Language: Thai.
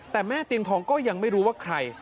แต่แม่เตียงทองก็ยังไม่รู้ว่าใคร